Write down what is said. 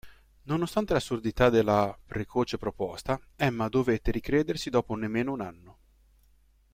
Nonostante l’assurdità della precoce proposta, Emma dovette ricredersi dopo nemmeno un anno.